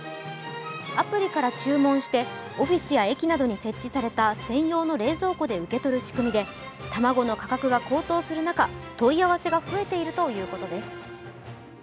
アプリから注文してオフィスや駅などに設置された専用の冷蔵庫で受け取る仕組みで、卵の価格が高騰する中、問い合わせが増えているということです。